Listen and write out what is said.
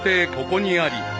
ここにあり］